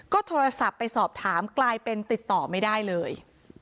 ก็โทรศัพท์ไปสอบถามกลายเป็นติดต่อไม่ได้เลย